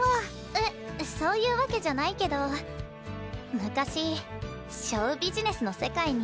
えそういうわけじゃないけど昔ショウビジネスの世界に。